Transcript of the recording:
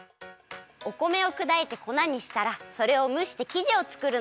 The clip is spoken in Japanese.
お米をくだいてこなにしたらそれをむしてきじをつくるの。